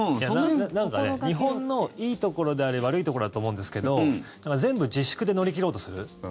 なんか日本のいいところであり悪いところだと思うんですけど全部自粛で乗り切ろうとする。